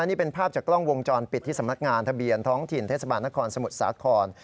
นี่เป็นภาพจากกล้องวงจรปิดที่สำนักงานทะเบียนท้องถิ่นเทศบาลนครสมุทรสาคร